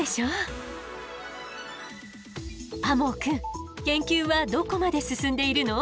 天羽くん研究はどこまで進んでいるの？